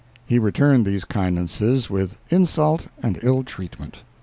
He returned these kindnesses with insult and ill treatment.